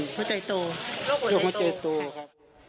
โรคหัวใจโตโรคหัวใจโตครับ